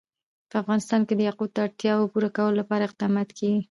په افغانستان کې د یاقوت د اړتیاوو پوره کولو لپاره اقدامات کېږي.